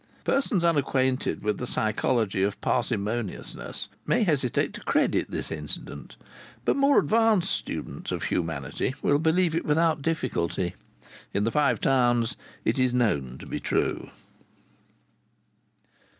Persons unacquainted with the psychology of parsimoniousness may hesitate to credit this incident. But more advanced students of humanity will believe it without difficulty. In the Five Towns it is known to be true.